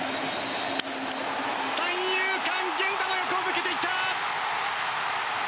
三遊間源田の横を抜けていった！